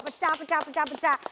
pecah pecah pecah pecah